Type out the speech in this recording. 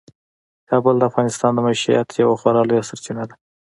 کابل د افغانانو د معیشت یوه خورا لویه سرچینه ده.